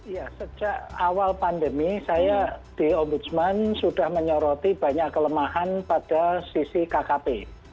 ya sejak awal pandemi saya di ombudsman sudah menyoroti banyak kelemahan pada sisi kkp